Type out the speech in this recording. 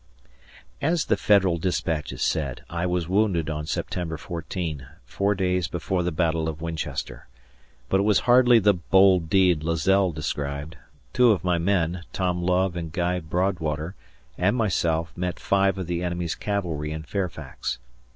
As the Federal dispatches said, I was wounded on September 14, four days before the battle of Winchester. But it was hardly the bold deed Lazelle described. Two of my men, Tom Love and Guy Broadwater, and myself met five of the enemy's cavalry in Fairfax.